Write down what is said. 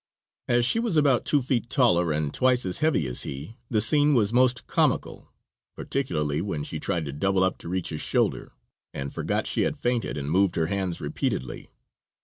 As she was about two feet taller and twice as heavy as he, the scene was most comical, particularly when she tried to double up to reach his shoulder, and forgot she had fainted and moved her hands repeatedly.